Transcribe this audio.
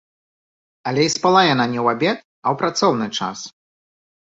Але і спала яна не ў абед, а ў працоўны час.